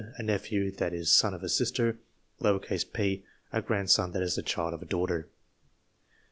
a nephew that is son of a sister; p. a grandson that is the child of a daughter.